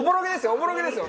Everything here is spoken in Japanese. おぼろげですよ！